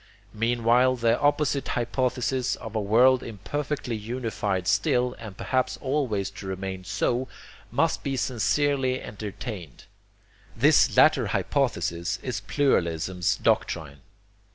Meanwhile the opposite hypothesis, of a world imperfectly unified still, and perhaps always to remain so, must be sincerely entertained. This latter hypothesis is pluralism's doctrine.